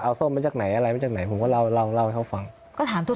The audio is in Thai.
เอาส้มมาจากไหนอะไรมาจากไหนผมก็เล่าเล่าให้เขาฟังก็ถามตัว